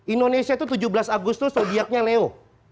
indonesia itu tujuh belas agustus subyeknya leo